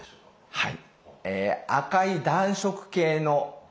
はい。